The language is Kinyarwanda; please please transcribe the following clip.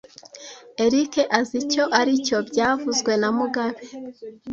Eric azi icyo aricyo byavuzwe na mugabe